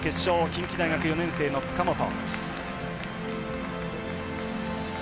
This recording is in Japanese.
近畿大学４年生の塚本。